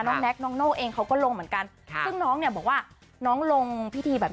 แน็กน้องโน่เองเขาก็ลงเหมือนกันค่ะซึ่งน้องเนี่ยบอกว่าน้องลงพิธีแบบ